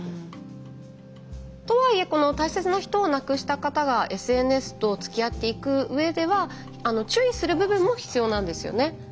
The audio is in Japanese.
とはいえ大切な人を亡くした方がＳＮＳとつきあっていくうえでは注意する部分も必要なんですよね。